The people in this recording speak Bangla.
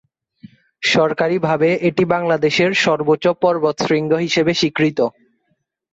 সরকারিভাবে এটি বাংলাদেশের সর্বোচ্চ পর্বতশৃঙ্গ হিসেবে স্বীকৃত।